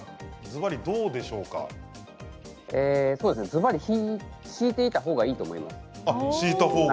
ずばり敷いていたほうがいいと思います。